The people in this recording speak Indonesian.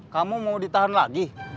kamu mau ditahan lagi